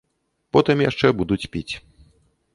Потым яшчэ будуць піць.